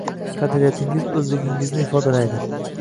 Qadriyatingiz o’zligingizni ifodalaydi